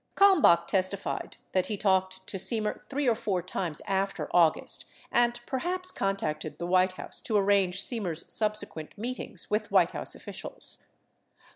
® Kalmbach testified that he talked to Semer three or four times after August and perhaps contacted the White House to arrange Semer's subsequent meetings with White House officials.